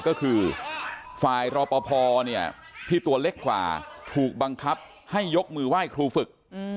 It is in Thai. ก็คือฝ่ายรอปภที่ตัวเล็กกว่าถูกบังคับให้ยกมือไหว้ครูฝึก